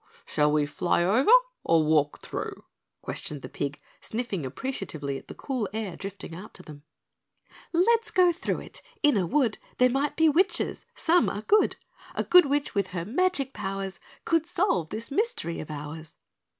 "Shall we fly over or walk through?" questioned the pig, sniffing appreciatively the cool air drifting out to them. "Let's go through it, in a wood There might be witches, some are good, A good witch with her magic powers Could solve this mystery of ours!"